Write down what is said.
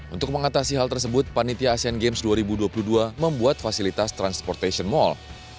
untuk mengatasi hal tersebut panitia asian games dua ribu dua puluh dua membuat fasilitas transportasi mall